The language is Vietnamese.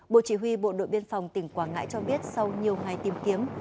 bộ chỉ huy bộ đội biên phòng tỉnh quảng ngãi cho biết sau nhiều ngày tìm kiếm